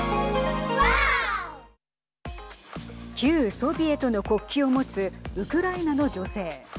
旧ソビエトの国旗を持つウクライナの女性。